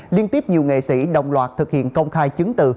liên tiếp nhiều nghệ sĩ đồng loạt thực hiện công khai chứng từ